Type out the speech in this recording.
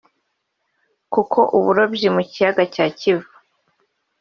kuko uburobyi mu kiyaga cya Kivu